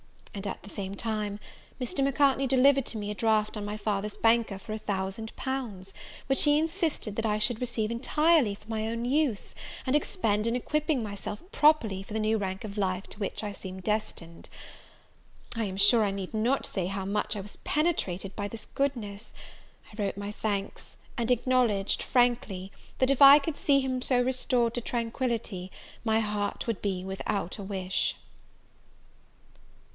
And, at the same time, Mr. Macartney delivered to me a draught on my father's banker for a thousand pounds, which he insisted that I should receive entirely for my own use, and expend in equipping myself properly for the new rank of life to which I seem destined. I am sure I need not say how much I was penetrated by this goodness: I wrote my thanks, and acknowledged, frankly, that if I could see him restored to tranquillity, my heart would be without a wish.